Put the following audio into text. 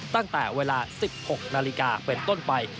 ตั้งแต่เวลา๑๖นาฬิกาเป็นต้นไป